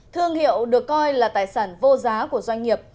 thương hiệu được coi là tài sản vô giá của doanh nghiệp